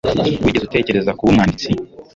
Wigeze utekereza kuba umwanditsi?